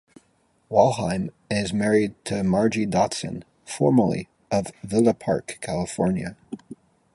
Walheim is married to Margie Dotson, formally of Villa Park, California.